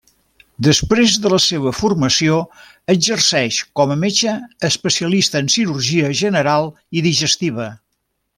Després de la seva formació exerceix com a metge especialista en cirurgia general i digestiva.